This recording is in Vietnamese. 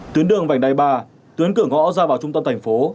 tuyến đường vành đai ba tuyến cửa ngõ ra vào trung tâm thành phố